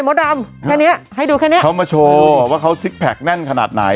มดดำแค่เนี้ยให้ดูแค่เนี้ยเขามาโชว์ว่าเขาซิกแพคแน่นขนาดไหน